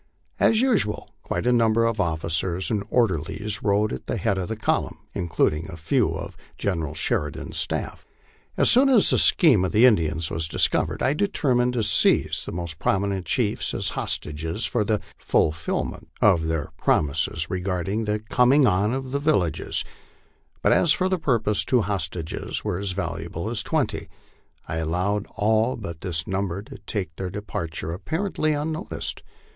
As usual, quite a number of officers and orderlies rode at the head of the column, including a few of Gen eral Sheridan's staff. As soon as the scheme of the Indians was discovered, I determined to seize the most prominent chiefs as hostages for the fulfilment of their promises re garding the coming on of the villages ; but as for this purpose two hostages were as valuable as twenty, I allowed all but this number to take their depart ure apparently unnoticed.